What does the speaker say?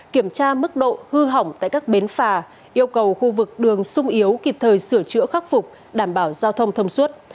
kiểm tra mức độ hư hỏng tại các bến phà yêu cầu khu vực đường sung yếu kịp thời sửa chữa khắc phục đảm bảo giao thông thông suốt